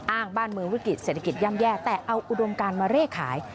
บ้านเมืองวิกฤตเศรษฐกิจย่ำแย่แต่เอาอุดมการมาเร่ขาย